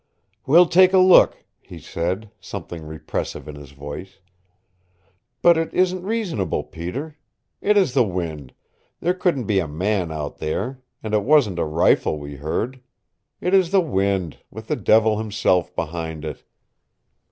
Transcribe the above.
"We'll take a look," he said, something repressive in his voice. "But it isn't reasonable, Peter. It is the wind. There couldn't be a man out there, and it wasn't a rifle we heard. It is the wind with the devil himself behind it!"